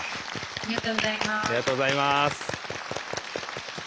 ありがとうございます。